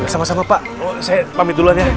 sama sama pak saya pamit duluan ya